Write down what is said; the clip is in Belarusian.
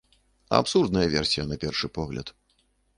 Абсурдная версія, на першы погляд.